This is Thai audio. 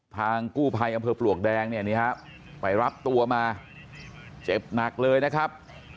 ทางกู้ไพยอำเภอปลวกแดงไปรับตัวมาเจ็บหนักเลยนะครับ